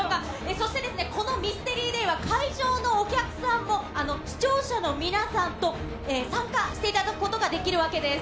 そして、このＭＹＳＴＥＲＹＤＡＹは会場のお客さんも、視聴者の皆さんと参加していただくことができるわけです。